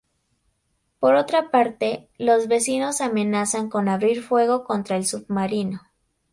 Por otra parte, los vecinos amenazan con abrir fuego contra el submarino.